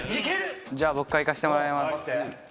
じゃあ僕からいかせてもらいます。